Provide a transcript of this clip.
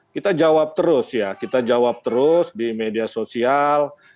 kita jawab terus ya kita jawab terus di media sosial